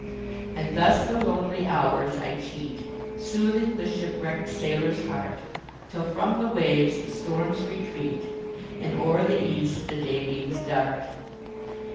And thus the lonely hours I cheat, Soothing the ship wreck'd sailor's heart, Till from the waves the storms retreat, And o'er the east the day beams dart.